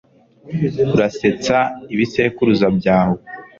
Urasetsa ibisekuruza byawe